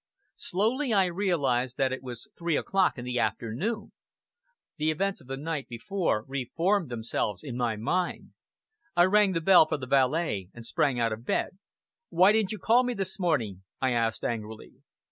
Slowly I realized that it was three o'clock in the afternoon; the events of the night before re formed themselves in my mind. I rang the bell for the valet and sprang out of bed. "Why didn't you call me this morning?" I asked angrily.